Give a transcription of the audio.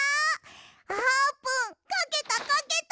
あーぷんかけたかけた！